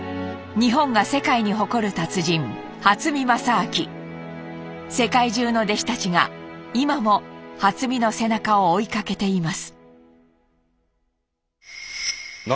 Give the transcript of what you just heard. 日本が世界に誇る世界中の弟子たちが今も初見の背中を追いかけています。